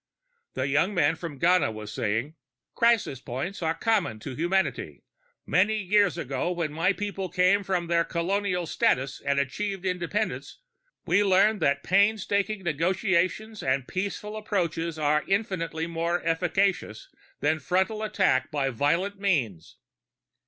The young man from Ghana was saying, "... Crisis points are common to humanity. Many years ago, when my people came from their colonial status and achieved independence, we learned that painstaking negotiations and peaceful approaches are infinitely more efficacious than frontal attack by violent means.